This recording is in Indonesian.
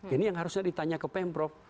ini yang harusnya ditanya ke pemprov